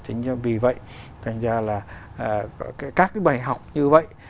chính vì vậy thành ra là các cái bài học như vậy